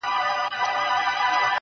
• سترگي دي ژوند نه اخلي مرگ اخلي اوس.